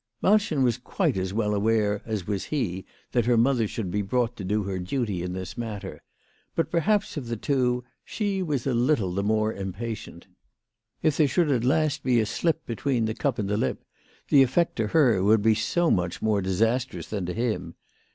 Malchen was quite as well aware as was he that her mother should be brought to do her duty in this matter ; but, perhaps of the two, she was a little the more impatient. If there should at last be a slip between the cup and the lip, the effect to her would be so much more disastrous tnan to him